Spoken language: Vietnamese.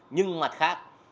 nhưng mặt khác